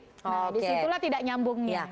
nah disitulah tidak nyambungnya